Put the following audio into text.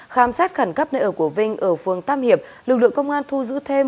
khám sát khẩn cấp nợ của vinh ở phường tâm hiệp lực lượng công an thu giữ thêm